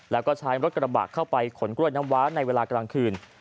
แล้วก็ใช้รถกระบะเข้าไปขนกล้วยน้ำว้าในเวลากลางคืน